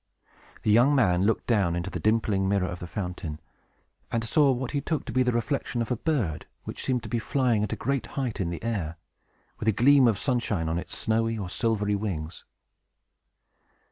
The young man looked down into the dimpling mirror of the fountain, and saw what he took to be the reflection of a bird which seemed to be flying at a great height in the air, with a gleam of sunshine on its snowy or silvery wings.